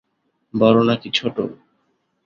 বড় নাকি ছোট?